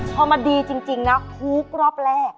ธรรมดีจริงนะฮุกรอบแรก